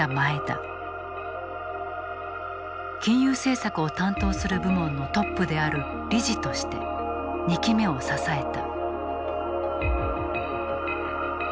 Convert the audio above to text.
金融政策を担当する部門のトップである理事として２期目を支えた。